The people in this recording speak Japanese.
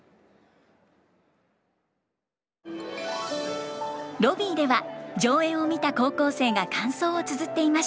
ロビーでは上演を見た高校生が感想をつづっていました。